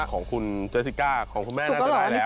ของคุณเจสสิก้าของคุณแม่น่าจะไปแล้ว